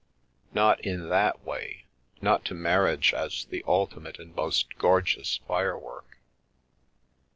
"" Not in that way — not to marriage as the ultimate and most gorgeous firework.